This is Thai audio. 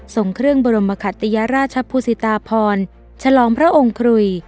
ส่งเครื่องบรมคัตยราชภูสิตาพรฉลองพระองค์ครุย